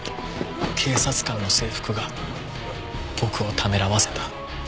警察官の制服が僕をためらわせた。